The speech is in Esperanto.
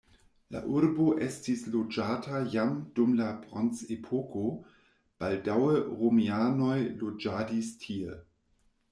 La urbo estis loĝata jam dum la bronzepoko, baldaŭe romianoj loĝadis tie.